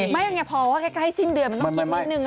ไม่นะพอว่าใกล้สิ้นเดือนมันต้องมีนึง